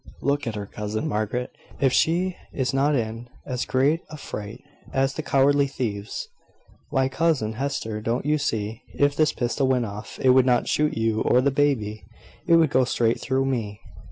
Look at her, cousin Margaret! If she is not in as great a fright as the cowardly thieves! Why, cousin Hester, don't you see, if this pistol went off, it would not shoot you or the baby. It would go straight through me."